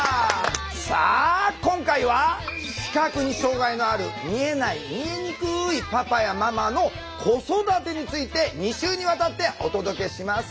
さあ今回は視覚に障害のある見えない見えにくいパパやママの子育てについて２週にわたってお届けします。